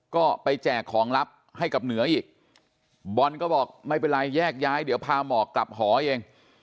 ก็ไปแจกของลับให้กับเหนืออีกบอลก็บอกไม่เป็นไรแยกย้ายเดี๋ยวพาหมอกกลับหอเอง